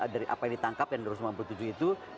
dari apa yang ditangkap yang dua ratus sembilan puluh tujuh itu